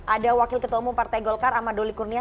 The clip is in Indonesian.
ada wakil ketua umum partai golkar ahmad doli kurnia